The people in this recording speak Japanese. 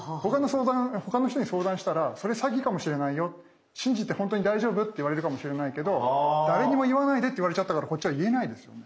他の人に相談したら「それ詐欺かもしれないよ。信じて本当に大丈夫？」って言われるかもしれないけど誰にも言わないでって言われちゃったからこっちは言えないですよね。